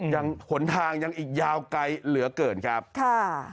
หนทางยังอีกยาวไกลเหลือเกินครับค่ะ